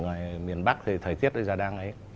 ngoài miền bắc thì thời tiết ra đang ấy